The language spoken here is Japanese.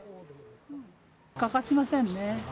欠かせませんね。